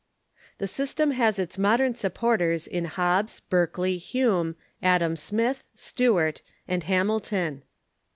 The system has its modern supporters in Ilobbes, Berkeley, Hume, Adam Smith, Stewart, and Ham ilton.